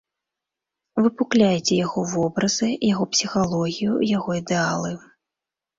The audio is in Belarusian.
Выпукляйце яго вобразы, яго псіхалогію, яго ідэалы.